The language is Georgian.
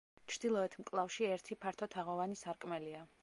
ჩრდილოეთ მკლავში ერთი ფართო თაღოვანი სარკმელია.